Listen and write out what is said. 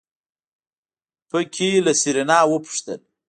په کې له سېرېنا وپوښتل.